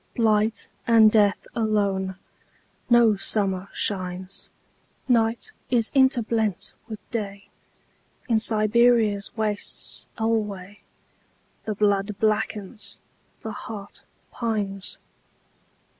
Blight and death alone.No summer shines. Night is interblent with Day.In Siberia's wastes alwayThe blood blackens, the heart pines.